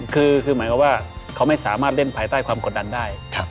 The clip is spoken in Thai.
คือหมายความว่าเขาไม่สามารถเล่นภายใต้ความกดดันได้